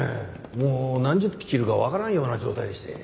もう何十匹いるかわからんような状態でして。